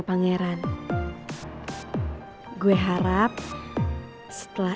my manager sama pokok awal deh yang cek doang